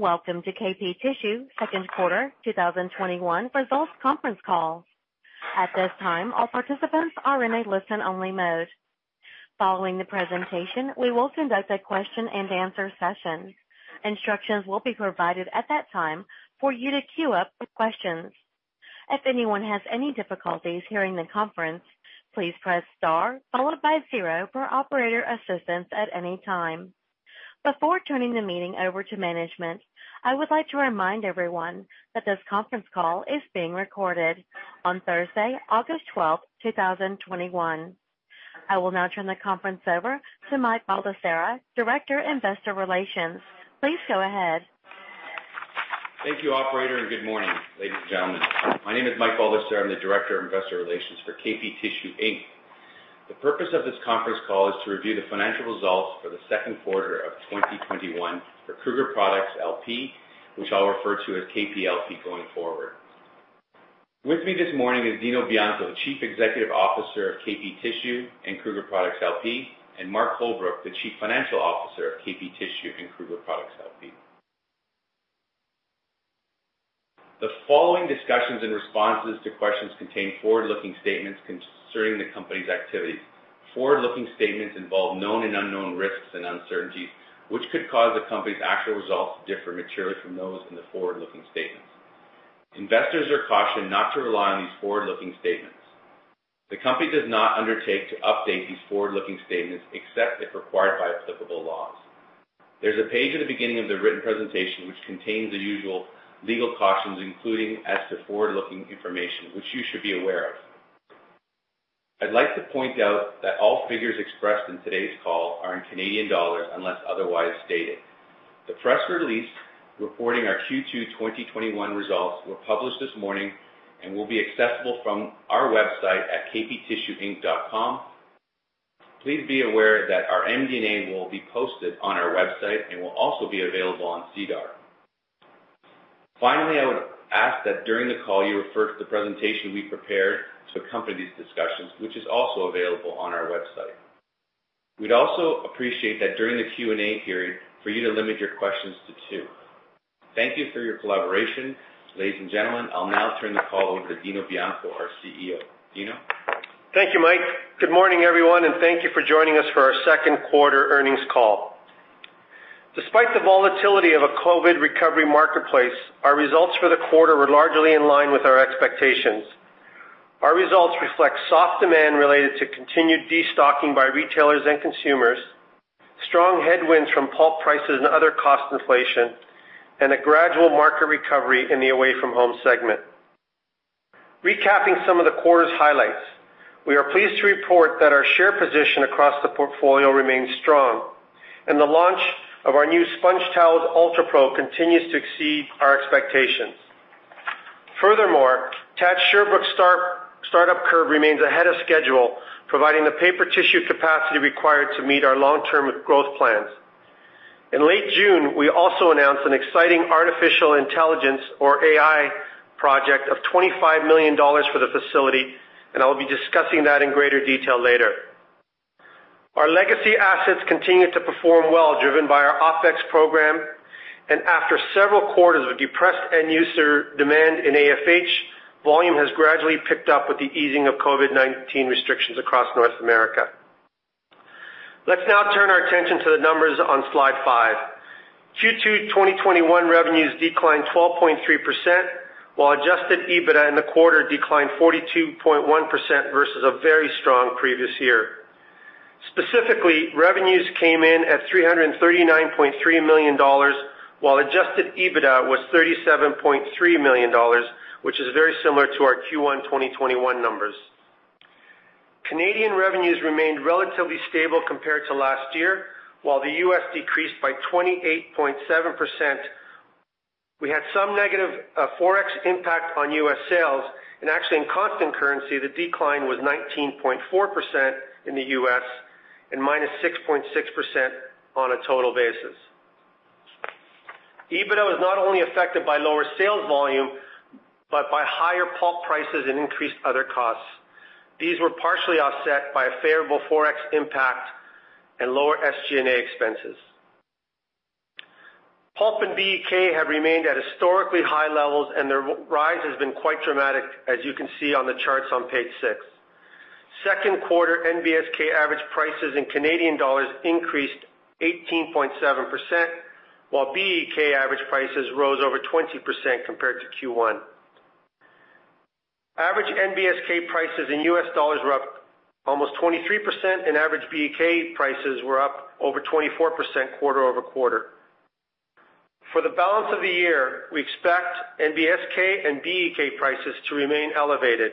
Welcome to KP Tissue Second Quarter 2021 Results Conference Call. At this time, all participants are in a listen-only mode. Following the presentation, we will conduct a question-and-answer session. Instructions will be provided at that time for you to queue up questions. If anyone has any difficulties hearing the conference, please press star followed by zero for operator assistance at any time. Before turning the meeting over to management, I would like to remind everyone that this conference call is being recorded on Thursday, August 12th, 2021. I will now turn the conference over to Mike Baldesarra, Director, Investor Relations. Please go ahead. Thank you, Operator, and good morning, ladies and gentlemen. My name is Mike Baldesarra. I'm the Director of Investor Relations for KP Tissue Inc. The purpose of this conference call is to review the financial results for the second quarter of 2021 for Kruger Products LP, which I'll refer to as KP LP going forward. With me this morning is Dino Bianco, Chief Executive Officer of KP Tissue and Kruger Products LP, and Mark Holbrook, the Chief Financial Officer of KP Tissue and Kruger Products LP. The following discussions and responses to questions contain forward-looking statements concerning the company's activities. Forward-looking statements involve known and unknown risks and uncertainties, which could cause the company's actual results to differ materially from those in the forward-looking statements. Investors are cautioned not to rely on these forward-looking statements. The company does not undertake to update these forward-looking statements except if required by applicable laws. There's a page at the beginning of the written presentation which contains the usual legal cautions, including as to forward-looking information, which you should be aware of. I'd like to point out that all figures expressed in today's call are in Canadian dollars unless otherwise stated. The press release reporting our Q2 2021 results was published this morning and will be accessible from our website at kptissueinc.com. Please be aware that our MD&A will be posted on our website and will also be available on SEDAR. Finally, I would ask that during the call you refer to the presentation we prepared to accompany these discussions, which is also available on our website. We'd also appreciate that during the Q&A period, for you to limit your questions to two. Thank you for your collaboration. Ladies and gentlemen, I'll now turn the call over to Dino Bianco, our CEO. Dino? Thank you, Mike. Good morning, everyone, and thank you for joining us for our second quarter earnings call. Despite the volatility of a COVID recovery marketplace, our results for the quarter were largely in line with our expectations. Our results reflect soft demand related to continued destocking by retailers and consumers, strong headwinds from pulp prices and other cost inflation, and a gradual market recovery in the away-from-home segment. Recapping some of the quarter's highlights, we are pleased to report that our share position across the portfolio remains strong, and the launch of our new SpongeTowels UltraPro continues to exceed our expectations. Furthermore, TAD's share book startup curve remains ahead of schedule, providing the paper tissue capacity required to meet our long-term growth plans. In late June, we also announced an exciting artificial intelligence, or AI, project of $25 million for the facility, and I'll be discussing that in greater detail later. Our legacy assets continue to perform well, driven by our OpEx program, and after several quarters of depressed end-user demand in AFH, volume has gradually picked up with the easing of COVID-19 restrictions across North America. Let's now turn our attention to the numbers on slide five. Q2 2021 revenues declined 12.3%, while adjusted EBITDA in the quarter declined 42.1% versus a very strong previous year. Specifically, revenues came in at $339.3 million, while adjusted EBITDA was $37.3 million, which is very similar to our Q1 2021 numbers. Canadian revenues remained relatively stable compared to last year, while the U.S. decreased by 28.7%. We had some negative forex impact on U.S. sales, and actually, in constant currency, the decline was 19.4% in the U.S. and -6.6% on a total basis. EBITDA was not only affected by lower sales volume but by higher pulp prices and increased other costs. These were partially offset by a favorable forex impact and lower SG&A expenses. Pulp and BEK have remained at historically high levels, and their rise has been quite dramatic, as you can see on the charts on page 6. Second quarter NBSK average prices in Canadian dollars increased 18.7%, while BEK average prices rose over 20% compared to Q1. Average NBSK prices in U.S. dollars were up almost 23%, and average BEK prices were up over 24% quarter-over-quarter. For the balance of the year, we expect NBSK and BEK prices to remain elevated.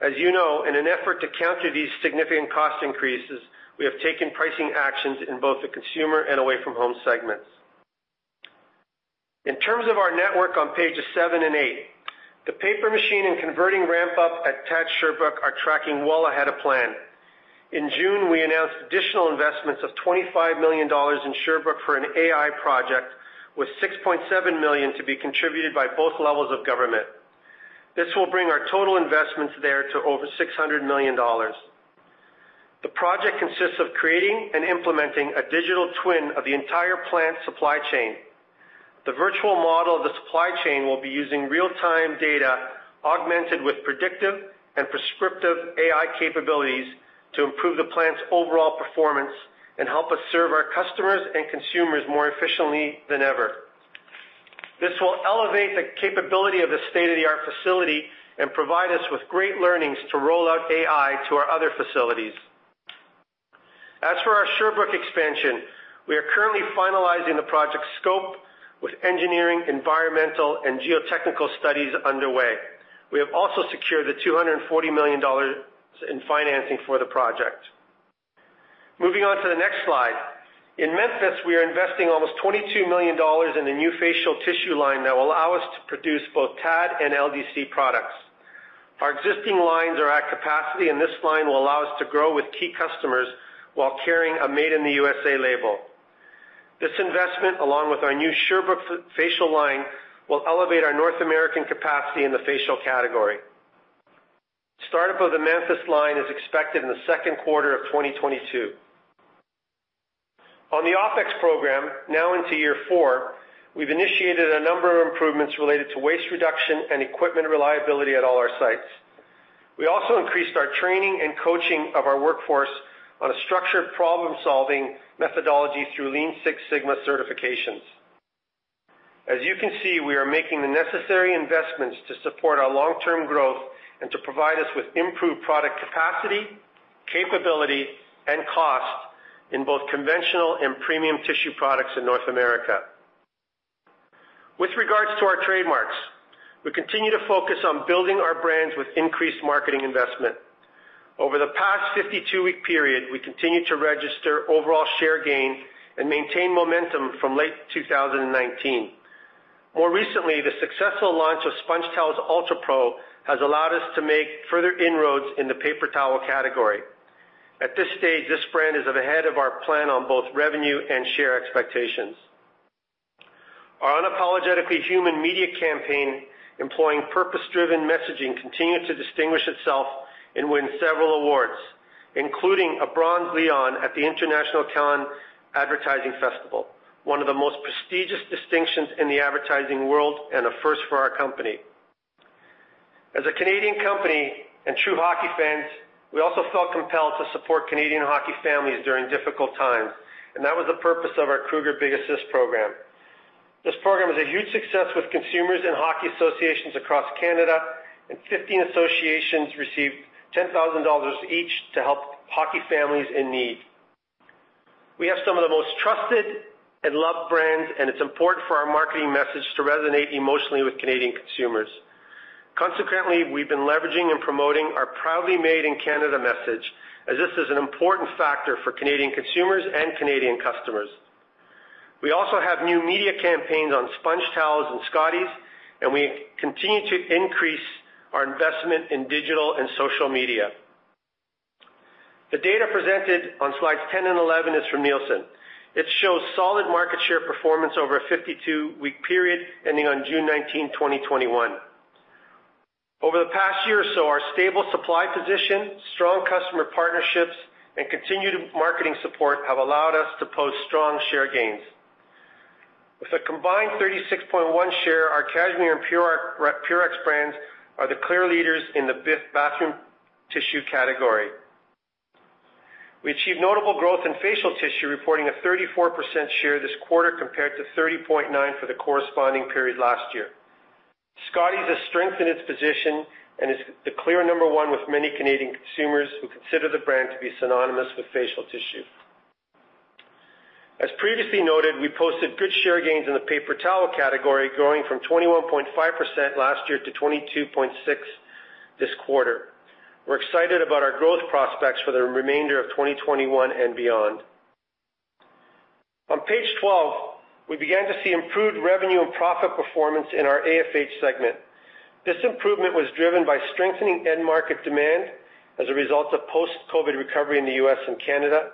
As you know, in an effort to counter these significant cost increases, we have taken pricing actions in both the consumer and away-from-home segments. In terms of our network on pages 7 and 8, the paper machine and converting ramp-up at TAD Sherbrooke are tracking well ahead of plan. In June, we announced additional investments of 25 million dollars in Sherbrooke for an AI project, with 6.7 million to be contributed by both levels of government. This will bring our total investments there to over 600 million dollars. The project consists of creating and implementing a digital twin of the entire plant supply chain. The virtual model of the supply chain will be using real-time data augmented with predictive and prescriptive AI capabilities to improve the plant's overall performance and help us serve our customers and consumers more efficiently than ever. This will elevate the capability of the state-of-the-art facility and provide us with great learnings to roll out AI to our other facilities. As for our Sherbrooke expansion, we are currently finalizing the project's scope with engineering, environmental, and geotechnical studies underway. We have also secured the $240 million in financing for the project. Moving on to the next slide. In Memphis, we are investing almost $22 million in a new facial tissue line that will allow us to produce both TAD and LDC products. Our existing lines are at capacity, and this line will allow us to grow with key customers while carrying a Made in the USA label. This investment, along with our new Sherbrooke facial line, will elevate our North American capacity in the facial category. Startup of the Memphis line is expected in the second quarter of 2022. On the OpEx program, now into year four, we've initiated a number of improvements related to waste reduction and equipment reliability at all our sites. We also increased our training and coaching of our workforce on a structured problem-solving methodology through Lean Six Sigma certifications. As you can see, we are making the necessary investments to support our long-term growth and to provide us with improved product capacity, capability, and cost in both conventional and premium tissue products in North America. With regards to our trademarks, we continue to focus on building our brands with increased marketing investment. Over the past 52-week period, we continue to register overall share gain and maintain momentum from late 2019. More recently, the successful launch of SpongeTowels UltraPro has allowed us to make further inroads in the paper towel category. At this stage, this brand is ahead of our plan on both revenue and share expectations. Our Unapologetically Human media campaign, employing purpose-driven messaging, continued to distinguish itself and win several awards, including a Bronze Lion at the International Cannes Advertising Festival, one of the most prestigious distinctions in the advertising world and a first for our company. As a Canadian company and true hockey fans, we also felt compelled to support Canadian hockey families during difficult times, and that was the purpose of our Kruger Big Assist program. This program is a huge success with consumers and hockey associations across Canada, and 15 associations received $10,000 each to help hockey families in need. We have some of the most trusted and loved brands, and it's important for our marketing message to resonate emotionally with Canadian consumers. Consequently, we've been leveraging and promoting our proudly made in Canada message, as this is an important factor for Canadian consumers and Canadian customers. We also have new media campaigns on SpongeTowels and Scotties, and we continue to increase our investment in digital and social media. The data presented on slides 10 and 11 is from Nielsen. It shows solid market share performance over a 52-week period ending on June 19, 2021. Over the past year or so, our stable supply position, strong customer partnerships, and continued marketing support have allowed us to post strong share gains. With a combined 36.1 share, our Cashmere and Purex brands are the clear leaders in the bathroom tissue category. We achieved notable growth in facial tissue, reporting a 34% share this quarter compared to 30.9 for the corresponding period last year. Scotties has strengthened its position and is the clear number one with many Canadian consumers who consider the brand to be synonymous with facial tissue. As previously noted, we posted good share gains in the paper towel category, growing from 21.5% last year to 22.6% this quarter. We're excited about our growth prospects for the remainder of 2021 and beyond. On page 12, we began to see improved revenue and profit performance in our AFH segment. This improvement was driven by strengthening end-market demand as a result of post-COVID recovery in the U.S. and Canada.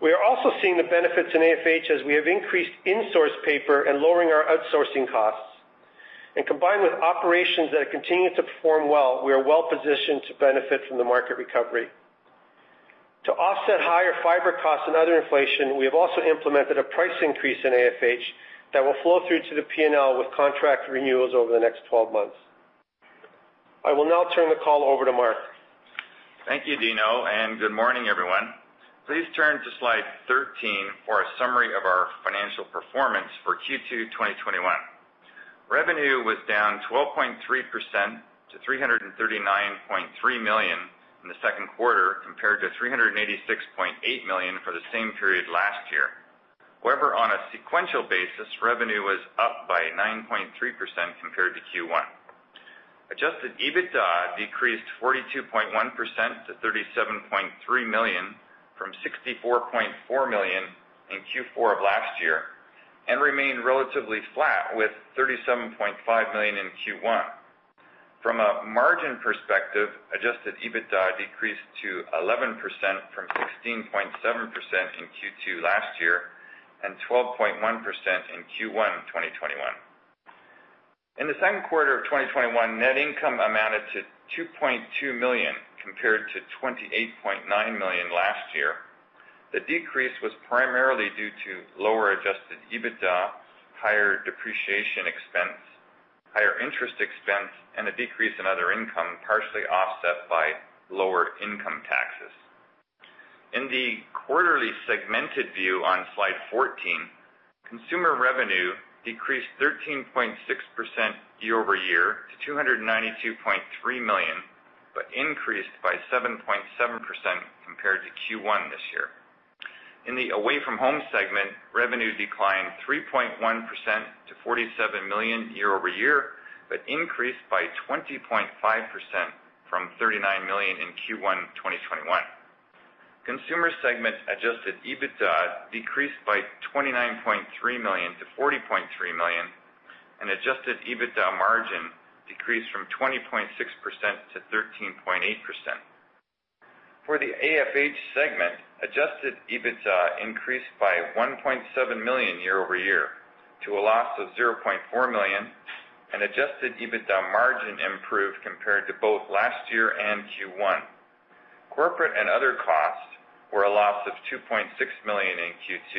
We are also seeing the benefits in AFH as we have increased in-source paper and lowering our outsourcing costs. Combined with operations that continue to perform well, we are well-positioned to benefit from the market recovery. To offset higher fiber costs and other inflation, we have also implemented a price increase in AFH that will flow through to the P&L with contract renewals over the next 12 months. I will now turn the call over to Mark. Thank you, Dino, and good morning, everyone. Please turn to slide 13 for a summary of our financial performance for Q2 2021. Revenue was down 12.3% to 339.3 million in the second quarter compared to 386.8 million for the same period last year. However, on a sequential basis, revenue was up by 9.3% compared to Q1. Adjusted EBITDA decreased 42.1% to 37.3 million from 64.4 million in Q4 of last year and remained relatively flat with 37.5 million in Q1. From a margin perspective, adjusted EBITDA decreased to 11% from 16.7% in Q2 last year and 12.1% in Q1 2021. In the second quarter of 2021, net income amounted to 2.2 million compared to 28.9 million last year. The decrease was primarily due to lower adjusted EBITDA, higher depreciation expense, higher interest expense, and a decrease in other income partially offset by lower income taxes. In the quarterly segmented view on slide 14, consumer revenue decreased 13.6% year-over-year to $292.3 million but increased by 7.7% compared to Q1 this year. In the away-from-home segment, revenue declined 3.1% to $47 million year-over-year but increased by 20.5% from $39 million in Q1 2021. Consumer segment adjusted EBITDA decreased by $29.3 million-$40.3 million, and adjusted EBITDA margin decreased from 20.6%-13.8%. For the AFH segment, adjusted EBITDA increased by $1.7 million year-over-year to a loss of $0.4 million, and adjusted EBITDA margin improved compared to both last year and Q1. Corporate and other costs were a loss of $2.6 million in Q2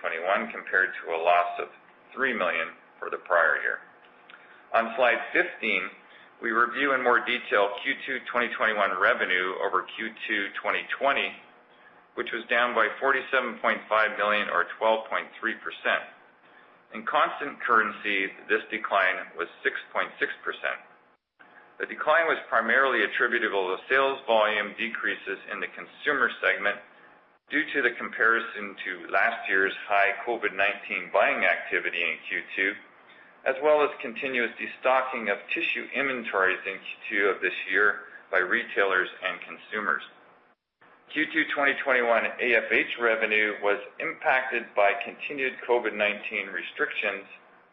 2021 compared to a loss of $3 million for the prior year. On slide 15, we review in more detail Q2 2021 revenue over Q2 2020, which was down by $47.5 million, or 12.3%. In constant currency, this decline was 6.6%. The decline was primarily attributable to sales volume decreases in the consumer segment due to the comparison to last year's high COVID-19 buying activity in Q2, as well as continuous destocking of tissue inventories in Q2 of this year by retailers and consumers. Q2 2021 AFH revenue was impacted by continued COVID-19 restrictions,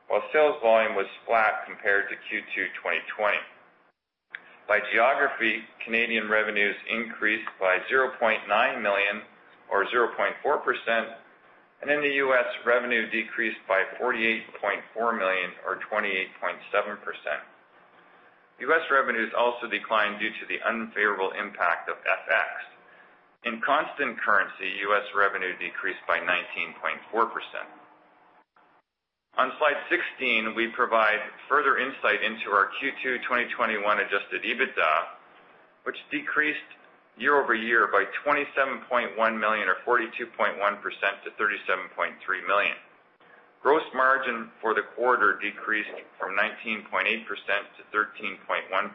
while sales volume was flat compared to Q2 2020. By geography, Canadian revenues increased by $0.9 million, or 0.4%, and in the U.S., revenue decreased by $48.4 million, or 28.7%. U.S. revenues also declined due to the unfavorable impact of FX. In constant currency, U.S. revenue decreased by 19.4%. On slide 16, we provide further insight into our Q2 2021 adjusted EBITDA, which decreased year-over-year by $27.1 million, or 42.1%, to $37.3 million. Gross margin for the quarter decreased from 19.8%-13.1%.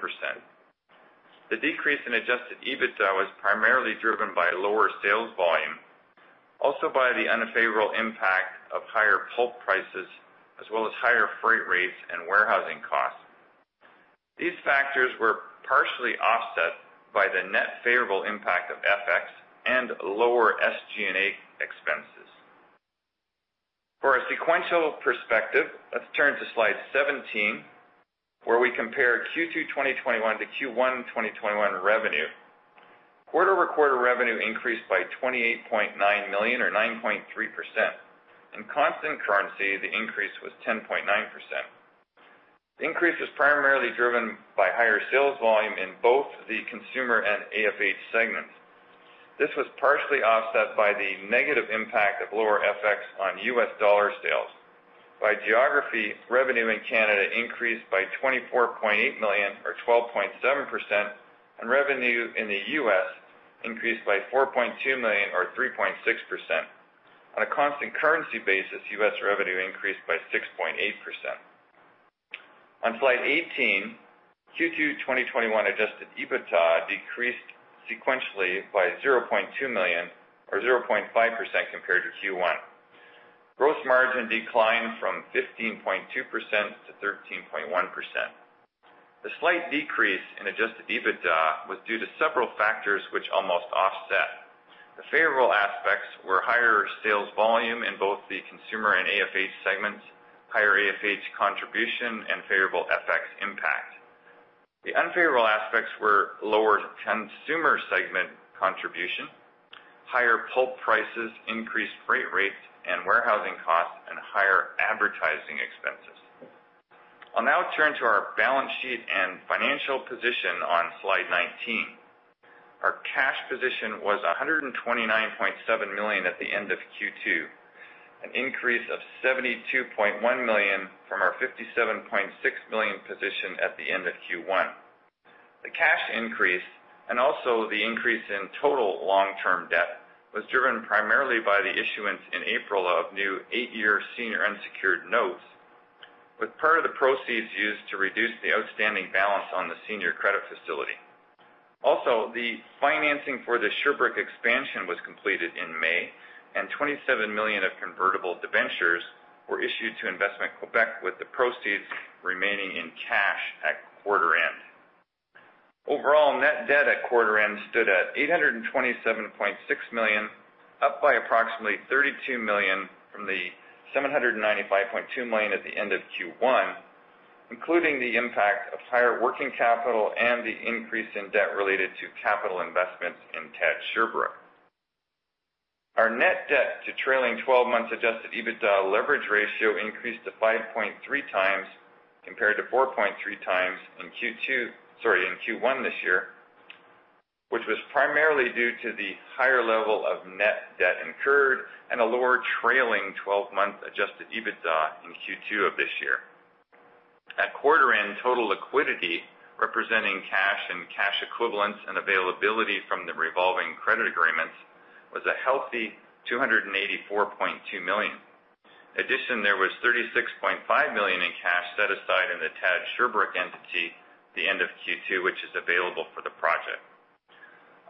The decrease in adjusted EBITDA was primarily driven by lower sales volume, also by the unfavorable impact of higher pulp prices, as well as higher freight rates and warehousing costs. These factors were partially offset by the net favorable impact of FX and lower SG&A expenses. For a sequential perspective, let's turn to slide 17, where we compare Q2 2021-Q1 2021 revenue. Quarter-over-quarter revenue increased by $28.9 million, or 9.3%. In constant currency, the increase was 10.9%. The increase was primarily driven by higher sales volume in both the consumer and AFH segments. This was partially offset by the negative impact of lower FX on U.S. dollar sales. By geography, revenue in Canada increased by $24.8 million, or 12.7%, and revenue in the U.S. increased by $4.2 million, or 3.6%. On a constant currency basis, U.S. revenue increased by 6.8%. On slide 18, Q2 2021 adjusted EBITDA decreased sequentially by $0.2 million, or 0.5%, compared to Q1. Gross margin declined from 15.2%-13.1%. The slight decrease in adjusted EBITDA was due to several factors which almost offset. The favorable aspects were higher sales volume in both the consumer and AFH segments, higher AFH contribution, and favorable FX impact. The unfavorable aspects were lower consumer segment contribution, higher pulp prices, increased freight rates, and warehousing costs, and higher advertising expenses. I'll now turn to our balance sheet and financial position on slide 19. Our cash position was $129.7 million at the end of Q2, an increase of $72.1 million from our $57.6 million position at the end of Q1. The cash increase, and also the increase in total long-term debt, was driven primarily by the issuance in April of new eight-year senior unsecured notes, with part of the proceeds used to reduce the outstanding balance on the senior credit facility. Also, the financing for the Sherbrooke expansion was completed in May, and 27 million of convertible debentures were issued to Investment Quebec, with the proceeds remaining in cash at quarter end. Overall, net debt at quarter end stood at 827.6 million, up by approximately 32 million from the 795.2 million at the end of Q1, including the impact of higher working capital and the increase in debt related to capital investments in TAD Sherbrooke. Our net debt to trailing 12-month adjusted EBITDA leverage ratio increased to 5.3 times compared to 4.3 times in Q1 this year, which was primarily due to the higher level of net debt incurred and a lower trailing 12-month adjusted EBITDA in Q2 of this year. At quarter end, total liquidity representing cash and cash equivalents and availability from the revolving credit agreements was a healthy $284.2 million. In addition, there was $36.5 million in cash set aside in the TAD Sherbrooke entity at the end of Q2, which is available for the project.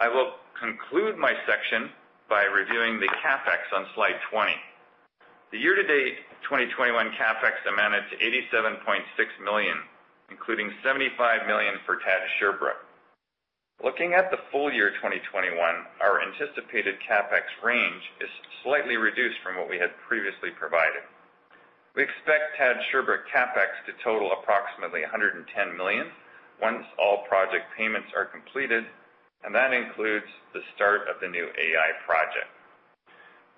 I will conclude my section by reviewing the CapEx on slide 20. The year-to-date 2021 CapEx amounted to $87.6 million, including $75 million for TAD Sherbrooke. Looking at the full year 2021, our anticipated CapEx range is slightly reduced from what we had previously provided. We expect TAD Sherbrooke CapEx to total approximately $110 million once all project payments are completed, and that includes the start of the new AI project.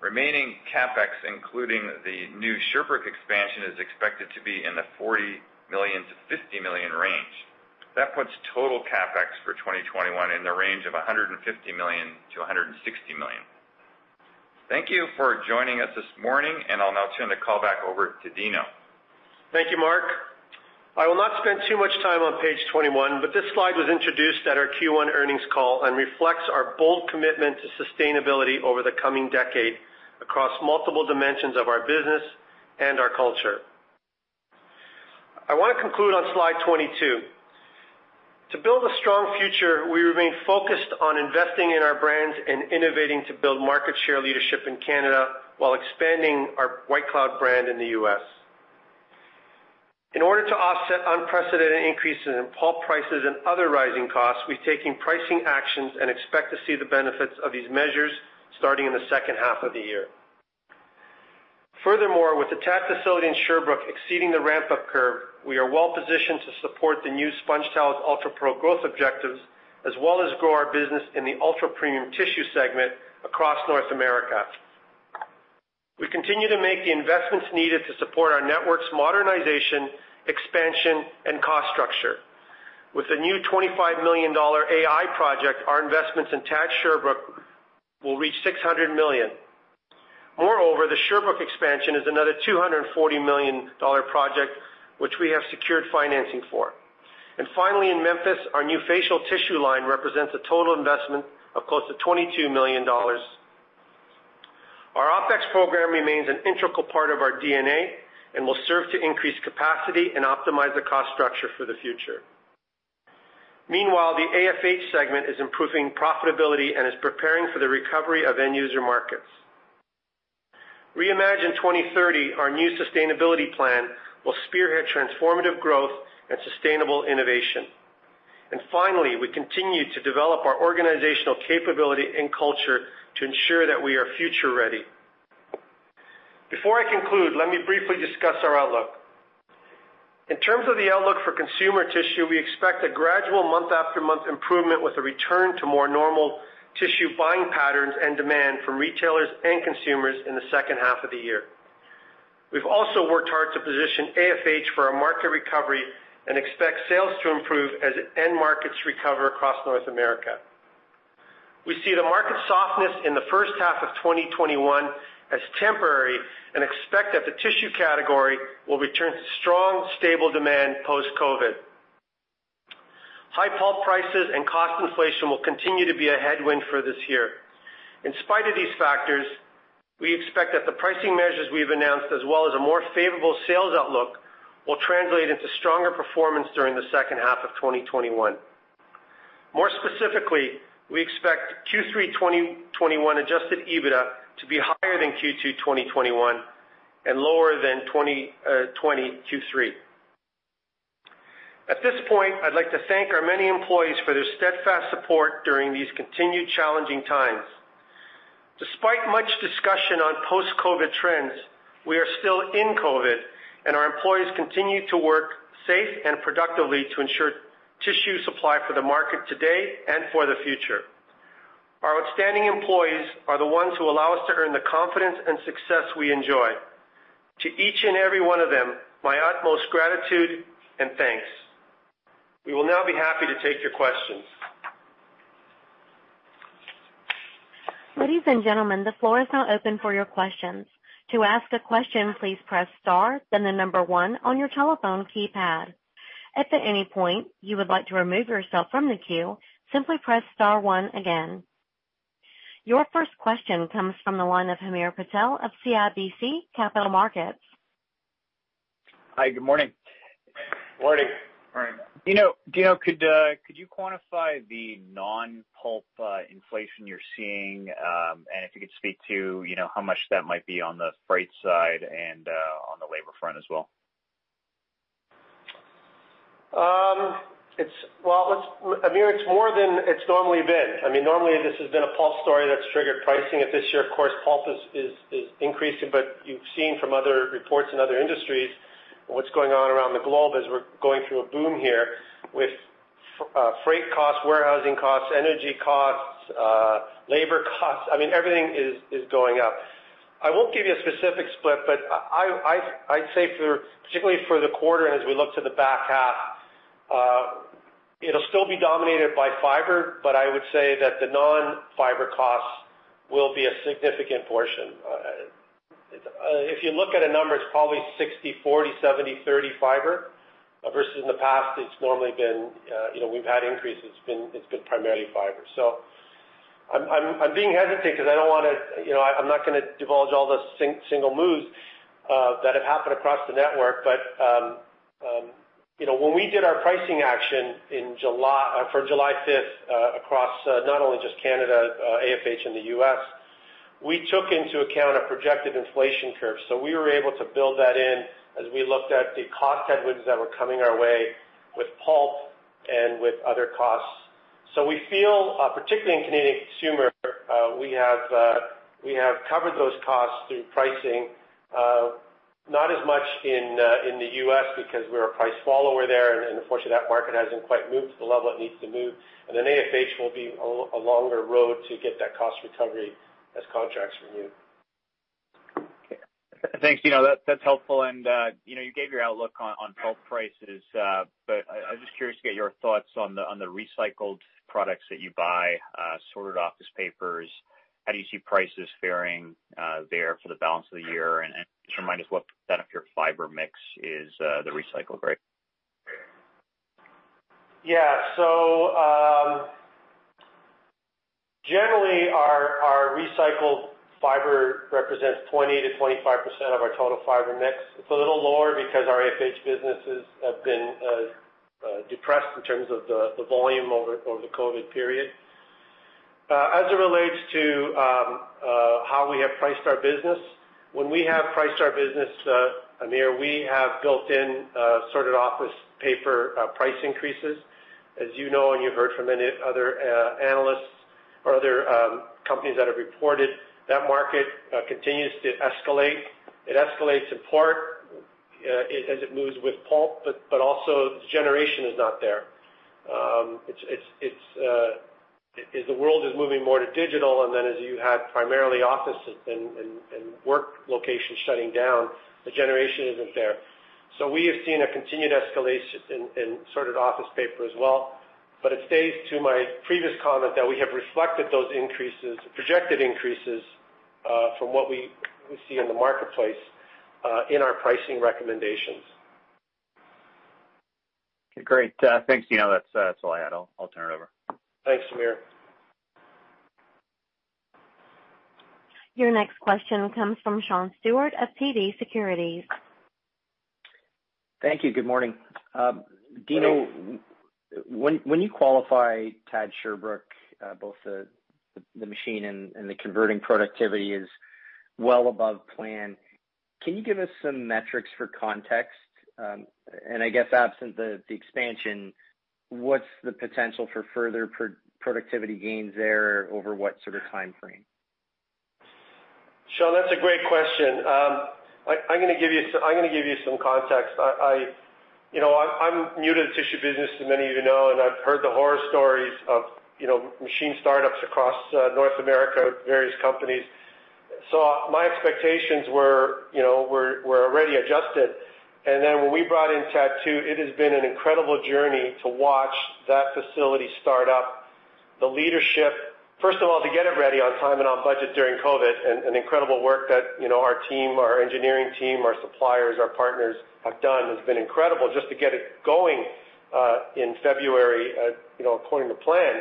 Remaining CapEx, including the new Sherbrooke expansion, is expected to be in the $40 million-$50 million range. That puts total CapEx for 2021 in the range of $150 million-$160 million. Thank you for joining us this morning, and I'll now turn the call back over to Dino. Thank you, Mark. I will not spend too much time on page 21, but this slide was introduced at our Q1 earnings call and reflects our bold commitment to sustainability over the coming decade across multiple dimensions of our business and our culture. I want to conclude on slide 22. To build a strong future, we remain focused on investing in our brands and innovating to build market share leadership in Canada while expanding our White Cloud brand in the U.S. In order to offset unprecedented increases in pulp prices and other rising costs, we've taken pricing actions and expect to see the benefits of these measures starting in the second half of the year. Furthermore, with the TAD facility in Sherbrooke exceeding the ramp-up curve, we are well-positioned to support the new SpongeTowels UltraPro growth objectives, as well as grow our business in the ultra-premium tissue segment across North America. We continue to make the investments needed to support our network's modernization, expansion, and cost structure. With the new $25 million AI project, our investments in TAD Sherbrooke will reach $600 million. Moreover, the Sherbrooke expansion is another $240 million project, which we have secured financing for. And finally, in Memphis, our new facial tissue line represents a total investment of close to $22 million. Our OpEx program remains an integral part of our DNA and will serve to increase capacity and optimize the cost structure for the future. Meanwhile, the AFH segment is improving profitability and is preparing for the recovery of end-user markets. Reimagine 2030, our new sustainability plan will spearhead transformative growth and sustainable innovation. Finally, we continue to develop our organizational capability and culture to ensure that we are future-ready. Before I conclude, let me briefly discuss our outlook. In terms of the outlook for consumer tissue, we expect a gradual month-after-month improvement with a return to more normal tissue buying patterns and demand from retailers and consumers in the second half of the year. We've also worked hard to position AFH for our market recovery and expect sales to improve as end markets recover across North America. We see the market softness in the first half of 2021 as temporary and expect that the tissue category will return to strong, stable demand post-COVID. High pulp prices and cost inflation will continue to be a headwind for this year. In spite of these factors, we expect that the pricing measures we've announced, as well as a more favorable sales outlook, will translate into stronger performance during the second half of 2021. More specifically, we expect Q3 2021 adjusted EBITDA to be higher than Q2 2021 and lower than Q3. At this point, I'd like to thank our many employees for their steadfast support during these continued challenging times. Despite much discussion on post-COVID trends, we are still in COVID, and our employees continue to work safe and productively to ensure tissue supply for the market today and for the future. Our outstanding employees are the ones who allow us to earn the confidence and success we enjoy. To each and every one of them, my utmost gratitude and thanks. We will now be happy to take your questions. Ladies and gentlemen, the floor is now open for your questions. To ask a question, please press Star, then the number one on your telephone keypad. If at any point you would like to remove yourself from the queue, simply press star one again. Your first question comes from the line of Hamir Patel of CIBC Capital Markets. Hi, good morning. Good morning. Morning. Dino, could you quantify the non-pulp inflation you're seeing and if you could speak to how much that might be on the freight side and on the labor front as well? Well, Hamir, it's more than it's normally been. I mean, normally, this has been a pulp story that's triggered pricing at this year. Of course, pulp is increasing, but you've seen from other reports in other industries what's going on around the globe as we're going through a boom here with freight costs, warehousing costs, energy costs, labor costs. I mean, everything is going up. I won't give you a specific split, but I'd say particularly for the quarter and as we look to the back half, it'll still be dominated by fiber, but I would say that the non-fiber costs will be a significant portion. If you look at a number, it's probably 60/40, 70/30 fiber versus in the past. It's normally been we've had increases. It's been primarily fiber. I'm being hesitant because I'm not going to divulge all the single moves that have happened across the network, but when we did our pricing action for July 5th across not only just Canada, AFH, and the U.S., we took into account a projected inflation curve. We were able to build that in as we looked at the cost headwinds that were coming our way with pulp and with other costs. We feel, particularly in Canadian consumer, we have covered those costs through pricing, not as much in the U.S. because we're a price follower there, and unfortunately, that market hasn't quite moved to the level it needs to move. Then AFH will be a longer road to get that cost recovery as contracts renew. Thanks, Dino. That's helpful. And you gave your outlook on pulp prices, but I'm just curious to get your thoughts on the recycled products that you buy, sorted office papers. How do you see prices faring there for the balance of the year? And just remind us what that of your fiber mix is, the recycled grade? Yeah. So generally, our recycled fiber represents 20%-25% of our total fiber mix. It's a little lower because our AFH businesses have been depressed in terms of the volume over the COVID period. As it relates to how we have priced our business, when we have priced our business, Hamir we have built in sorted office paper price increases. As you know and you've heard from many other analysts or other companies that have reported, that market continues to escalate. It escalates in part as it moves with pulp, but also the generation is not there. The world is moving more to digital, and then as you had primarily offices and work locations shutting down, the generation isn't there. We have seen a continued escalation in sorted office paper as well, but it stays to my previous comment that we have reflected those increases, projected increases from what we see in the marketplace in our pricing recommendations. Okay. Great. Thanks, Dino. That's all I had. I'll turn it over. Thanks, Hamir. Your next question comes from Sean Steuart of TD Securities. Thank you. Good morning. Dino, when you qualify TAD Sherbrooke, both the machine and the converting productivity is well above plan. Can you give us some metrics for context? I guess absent the expansion, what's the potential for further productivity gains there over what sort of timeframe? Sean, that's a great question. I'm going to give you some context. I'm new to the tissue business, as many of you know, and I've heard the horror stories of machine startups across North America with various companies. So my expectations were already adjusted. And then when we brought in TAD II, it has been an incredible journey to watch that facility start up. The leadership, first of all, to get it ready on time and on budget during COVID, and incredible work that our team, our engineering team, our suppliers, our partners have done has been incredible just to get it going in February according to plan.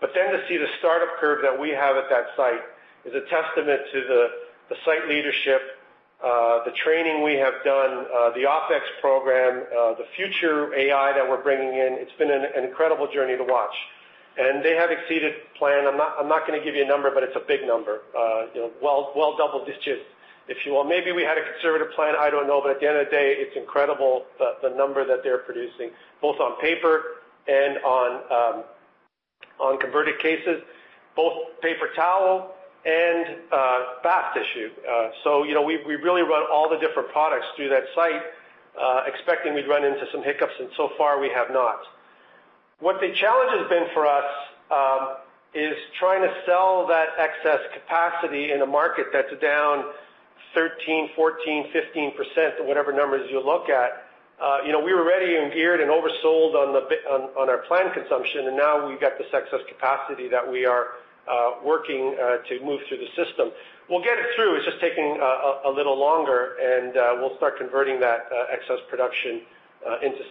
But then to see the startup curve that we have at that site is a testament to the site leadership, the training we have done, the OpEx program, the future AI that we're bringing in. It's been an incredible journey to watch. They have exceeded plan. I'm not going to give you a number, but it's a big number, well double digits, if you will. Maybe we had a conservative plan. I don't know. But at the end of the day, it's incredible the number that they're producing, both on paper and on converted cases, both paper towel and bath tissue. So we really run all the different products through that site, expecting we'd run into some hiccups, and so far we have not. What the challenge has been for us is trying to sell that excess capacity in a market that's down 13%, 14%, 15%, whatever numbers you look at. We were ready and geared and oversold on our planned consumption, and now we've got this excess capacity that we are working to move through the system. We'll get it through. It's just taking a little longer, and we'll start converting that excess production into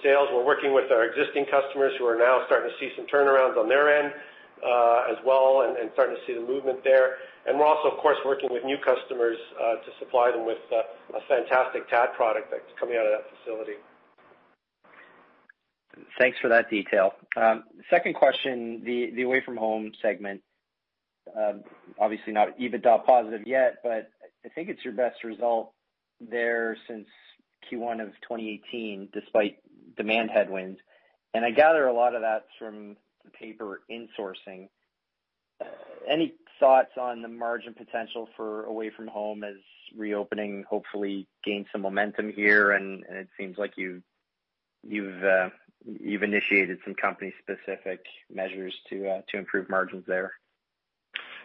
sales. We're working with our existing customers who are now starting to see some turnarounds on their end as well and starting to see the movement there. We're also, of course, working with new customers to supply them with a fantastic TAD product that's coming out of that facility. Thanks for that detail. Second question, the away-from-home segment. Obviously, not EBITDA positive yet, but I think it's your best result there since Q1 of 2018, despite demand headwinds. And I gather a lot of that's from the paper insourcing. Any thoughts on the margin potential for away-from-home as reopening hopefully gains some momentum here, and it seems like you've initiated some company-specific measures to improve margins there?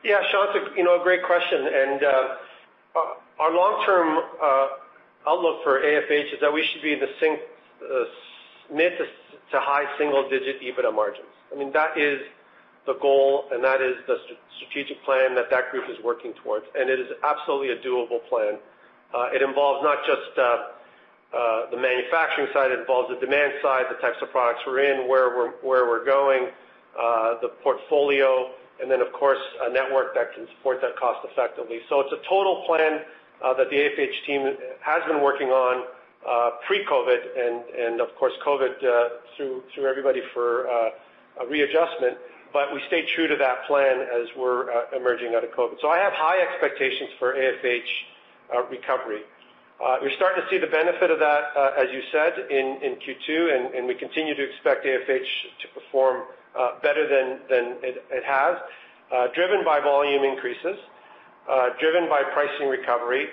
Yeah. Sean, that's a great question. Our long-term outlook for AFH is that we should be in the mid- to high single-digit EBITDA margins. I mean, that is the goal, and that is the strategic plan that that group is working towards. It is absolutely a doable plan. It involves not just the manufacturing side. It involves the demand side, the types of products we're in, where we're going, the portfolio, and then, of course, a network that can support that cost-effectively. So it's a total plan that the AFH team has been working on pre-COVID and, of course, COVID threw everybody for a readjustment, but we stayed true to that plan as we're emerging out of COVID. So I have high expectations for AFH recovery. We're starting to see the benefit of that, as you said, in Q2, and we continue to expect AFH to perform better than it has, driven by volume increases, driven by pricing recovery.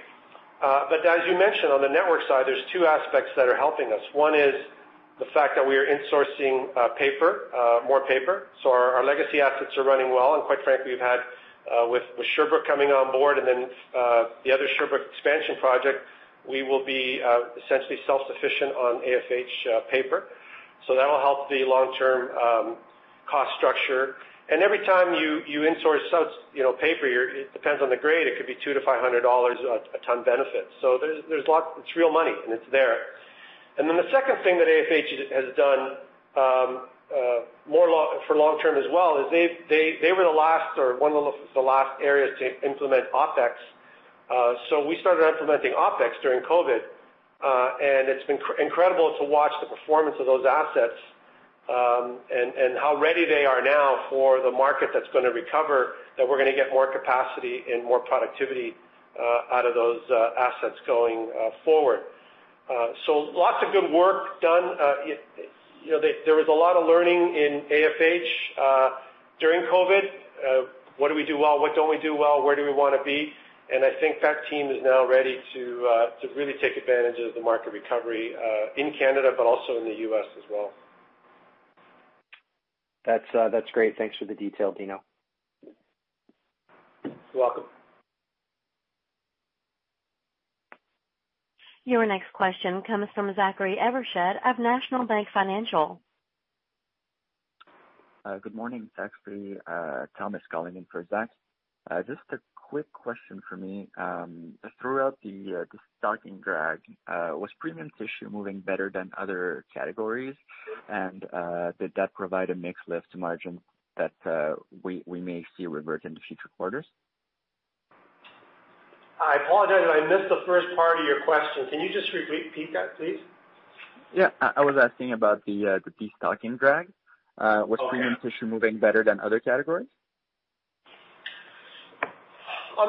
But as you mentioned, on the network side, there's two aspects that are helping us. One is the fact that we are insourcing paper, more paper. So our legacy assets are running well. And quite frankly, we've had, with Sherbrooke coming on board and then the other Sherbrooke expansion project, we will be essentially self-sufficient on AFH paper. So that'll help the long-term cost structure. And every time you insource paper, it depends on the grade. It could be 200-500 dollars a ton benefit. So it's real money, and it's there. Then the second thing that AFH has done for long-term as well is they were the last or one of the last areas to implement OpEx. We started implementing OpEx during COVID, and it's been incredible to watch the performance of those assets and how ready they are now for the market that's going to recover, that we're going to get more capacity and more productivity out of those assets going forward. Lots of good work done. There was a lot of learning in AFH during COVID. What do we do well? What don't we do well? Where do we want to be? And I think that team is now ready to really take advantage of the market recovery in Canada, but also in the U.S. as well. That's great. Thanks for the detail, Dino. You're welcome. Your next question comes from Zachary Evershed of National Bank Financial. Good morning. Thomas calling in for Zach. Just a quick question for me. Throughout the stocking drag, was premium tissue moving better than other categories, and did that provide a mixed lift to margin that we may see revert in the future quarters? I apologize. I missed the first part of your question. Can you just repeat that, please? Yeah. I was asking about the de-stocking drag. Was premium tissue moving better than other categories?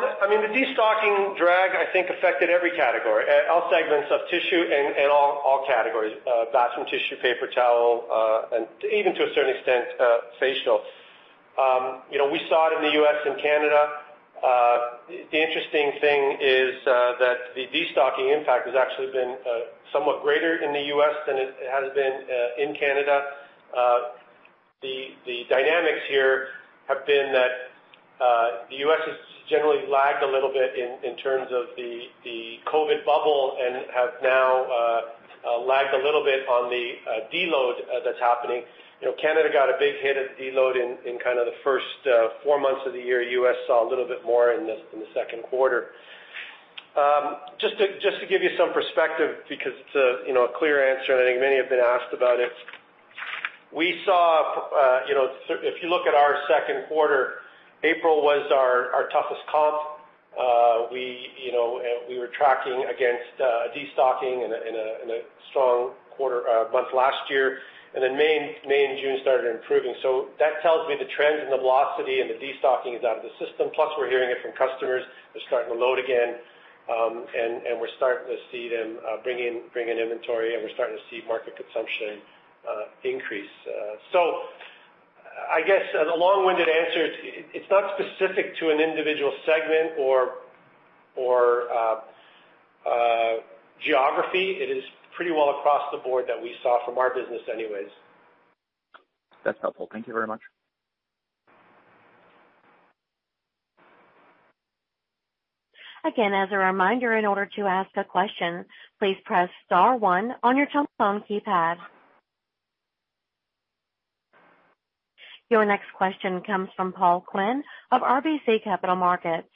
I mean, the de-stocking drag, I think, affected every category, all segments of tissue and all categories: bathroom tissue, paper towel, and even to a certain extent, facial. We saw it in the U.S. and Canada. The interesting thing is that the de-stocking impact has actually been somewhat greater in the U.S. than it has been in Canada. The dynamics here have been that the U.S. has generally lagged a little bit in terms of the COVID bubble and have now lagged a little bit on the deload that's happening. Canada got a big hit at deload in kind of the first four months of the year. U.S. saw a little bit more in the second quarter. Just to give you some perspective, because it's a clear answer, and I think many have been asked about it, we saw, if you look at our second quarter, April was our toughest comp. We were tracking against de-stocking in a strong quarter month last year, and then May and June started improving. So that tells me the trend and the velocity and the de-stocking is out of the system. Plus, we're hearing it from customers. They're starting to load again, and we're starting to see them bring in inventory, and we're starting to see market consumption increase. So I guess a long-winded answer, it's not specific to an individual segment or geography. It is pretty well across the board that we saw from our business anyways. That's helpful. Thank you very much. Again, as a reminder, in order to ask a question, please press star one on your telephone keypad. Your next question comes from Paul Quinn of RBC Capital Markets.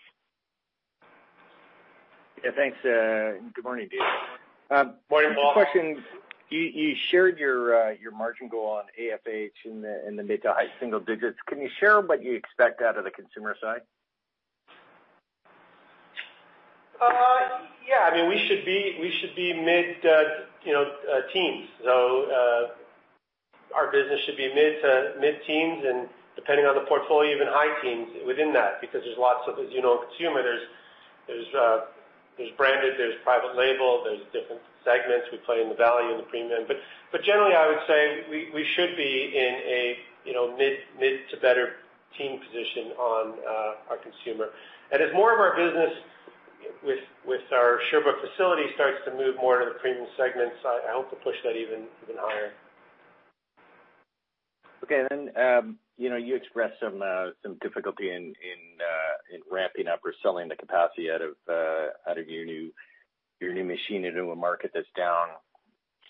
Yeah. Thanks. Good morning, Dino. Morning, Paul. You shared your margin goal on AFH in the mid- to high-single digits. Can you share what you expect out of the consumer side? Yeah. I mean, we should be mid-teens. So our business should be mid-teens and, depending on the portfolio, even high teens within that because there's lots of, as you know, consumer. There's branded, there's private label, there's different segments. We play in the value and the premium. But generally, I would say we should be in a mid- to better teens position on our consumer. And as more of our business with our Sherbrooke facility starts to move more to the premium segments, I hope to push that even higher. Okay. And then you expressed some difficulty in ramping up or selling the capacity out of your new machine into a market that's down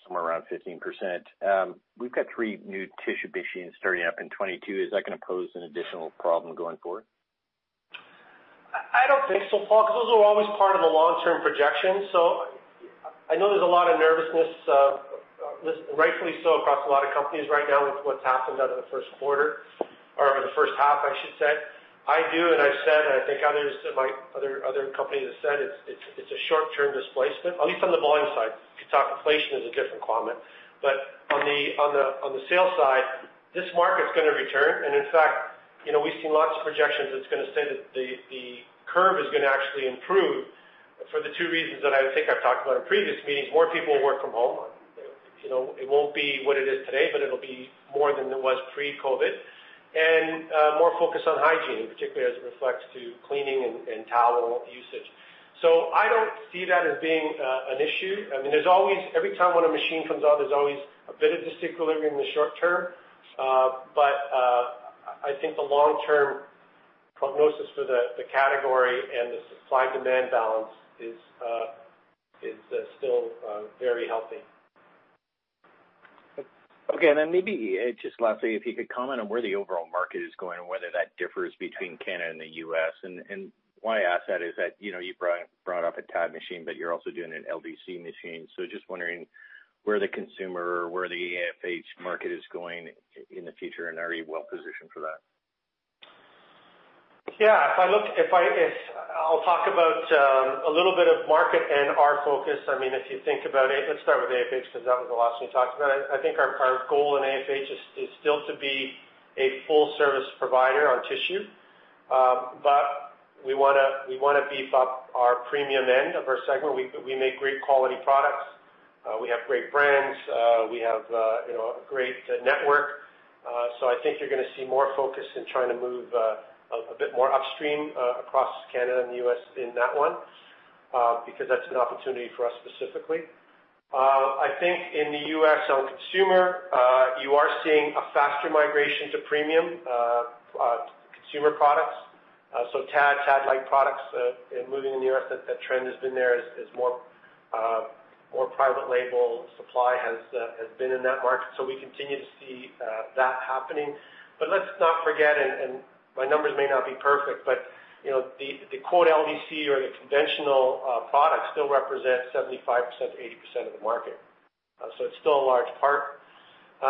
somewhere around 15%. We've got three new tissue machines starting up in 2022. Is that going to pose an additional problem going forward? I don't think so, Paul, because those are always part of the long-term projections. So I know there's a lot of nervousness, rightfully so, across a lot of companies right now with what's happened out of the first quarter or the first half, I should say. I do, and I've said, and I think other companies have said, it's a short-term displacement, at least on the volume side. You could talk inflation is a different comment. But on the sales side, this market's going to return. And in fact, we've seen lots of projections. It's going to say that the curve is going to actually improve for the two reasons that I think I've talked about in previous meetings. More people will work from home. It won't be what it is today, but it'll be more than it was pre-COVID and more focus on hygiene, particularly as it reflects to cleaning and towel usage. So I don't see that as being an issue. I mean, every time when a machine comes out, there's always a bit of discipline in the short term. But I think the long-term prognosis for the category and the supply-demand balance is still very healthy. Okay. Maybe just lastly, if you could comment on where the overall market is going and whether that differs between Canada and the U.S. Why I ask that is that you brought up a TAD machine, but you're also doing an LDC machine. Just wondering where the consumer or where the AFH market is going in the future, and are you well positioned for that? Yeah. I'll talk about a little bit of market and our focus. I mean, if you think about it, let's start with AFH because that was the last thing you talked about. I think our goal in AFH is still to be a full-service provider on tissue, but we want to beef up our premium end of our segment. We make great quality products. We have great brands. We have a great network. So I think you're going to see more focus in trying to move a bit more upstream across Canada and the U.S. in that one because that's an opportunity for us specifically. I think in the U.S., on consumer, you are seeing a faster migration to premium consumer products. So TAD, TAD-like products moving in the U.S., that trend has been there as more private label supply has been in that market. So we continue to see that happening. But let's not forget, and my numbers may not be perfect, but the quote LDC or the conventional product still represents 75%-80% of the market. So it's still a large part.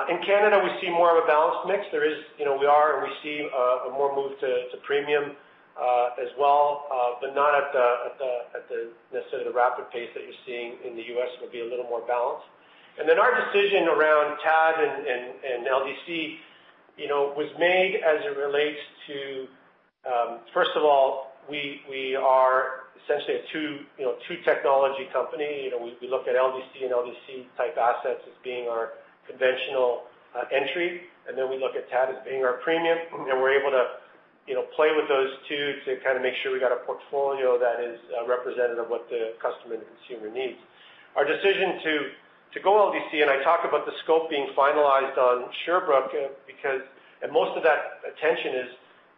In Canada, we see more of a balanced mix. We are, and we see a more move to premium as well, but not at necessarily the rapid pace that you're seeing in the U.S. It will be a little more balanced. And then our decision around TAD and LDC was made as it relates to, first of all, we are essentially a two-technology company. We look at LDC and LDC-type assets as being our conventional entry, and then we look at TAD as being our premium. We're able to play with those two to kind of make sure we got a portfolio that is representative of what the customer and the consumer needs. Our decision to go LDC, and I talk about the scope being finalized on Sherbrooke because most of that attention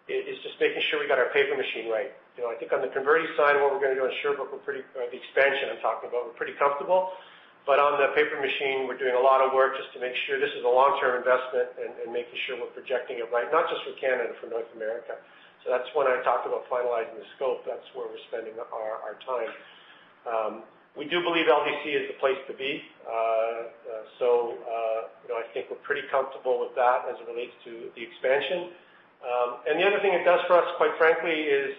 is just making sure we got our paper machine right. I think on the converting side, what we're going to do on Sherbrooke, the expansion I'm talking about, we're pretty comfortable. But on the paper machine, we're doing a lot of work just to make sure this is a long-term investment and making sure we're projecting it right, not just for Canada, for North America. That's when I talked about finalizing the scope. That's where we're spending our time. We do believe LDC is the place to be. So I think we're pretty comfortable with that as it relates to the expansion. And the other thing it does for us, quite frankly, is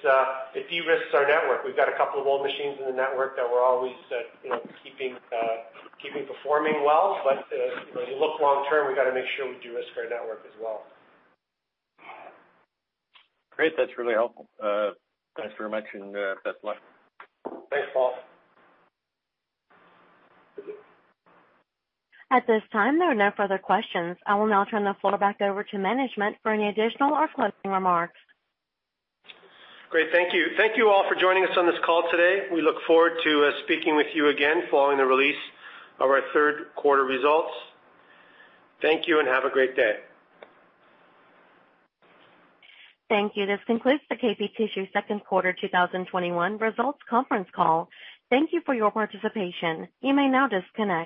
it de-risks our network. We've got a couple of old machines in the network that we're always keeping performing well. But as you look long-term, we've got to make sure we de-risk our network as well. Great. That's really helpful. Thanks very much and best of luck. Thanks, Paul. At this time, there are no further questions. I will now turn the floor back over to management for any additional or closing remarks. Great. Thank you. Thank you all for joining us on this call today. We look forward to speaking with you again following the release of our third quarter results. Thank you and have a great day. Thank you. This concludes the KP Tissue Second Quarter 2021 Results Conference Call. Thank you for your participation. You may now disconnect.